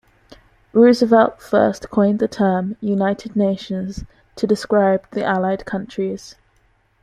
Roosevelt first coined the term "United Nations" to describe the Allied countries.